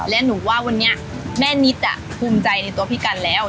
และหนูว่าวันนี้แม่นิดภูมิใจในตัวพี่กันแล้ว